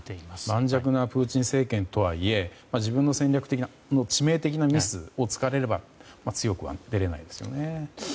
盤石なプーチン政権とはいえ自分の政治的なミスを突かれれば強くは出れないですよね。